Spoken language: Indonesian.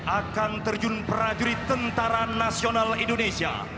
akan terjun prajurit tentara nasional indonesia